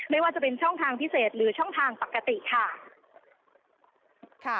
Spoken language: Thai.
ไม่ว่าจะเป็นช่องทางพิเศษหรือช่องทางปกติค่ะ